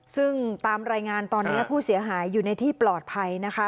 ซึ่งตามรายงานตอนนี้ผู้เสียหายอยู่ในที่ปลอดภัยนะคะ